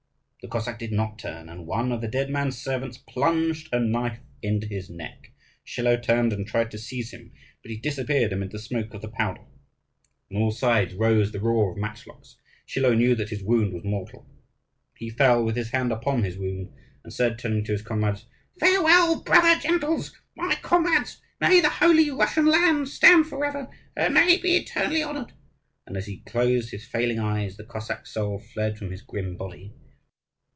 The Cossack did not turn, and one of the dead man's servants plunged a knife into his neck. Schilo turned and tried to seize him, but he disappeared amid the smoke of the powder. On all sides rose the roar of matchlocks. Schilo knew that his wound was mortal. He fell with his hand upon his wound, and said, turning to his comrades, "Farewell, brother gentles, my comrades! may the holy Russian land stand forever, and may it be eternally honoured!" And as he closed his failing eyes, the Cossack soul fled from his grim body.